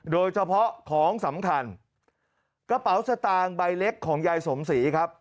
โดยเฉพาะของสำคัญกระเป๋าสตางค์ใบเล็กของยายสมศรีครับ